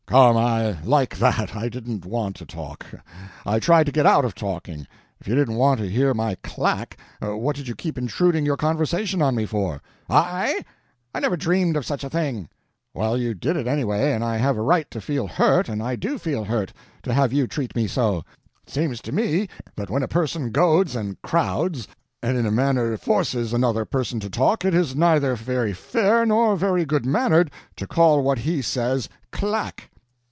"Come, I like that! I didn't want to talk. I tried to get out of talking. If you didn't want to hear my clack, what did you keep intruding your conversation on me for?" "I? I never dreamed of such a thing." "Well, you did it, anyway. And I have a right to feel hurt, and I do feel hurt, to have you treat me so. It seems to me that when a person goads, and crowds, and in a manner forces another person to talk, it is neither very fair nor very good mannered to call what he says clack."